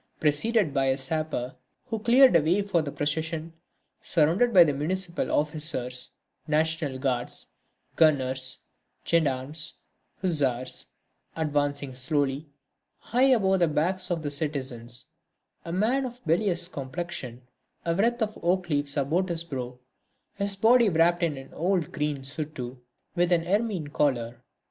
Preceded by a sapper, who cleared a way for the procession, surrounded by Municipal Officers, National Guards, gunners, gendarmes, huzzars, advanced slowly, high above the backs of the citizens, a man of a bilious complexion, a wreath of oak leaves about his brow, his body wrapped in an old green surtout with an ermine collar.